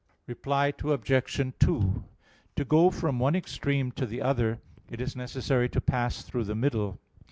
Reply Obj. 2: To go from one extreme to the other it is necessary to pass through the middle.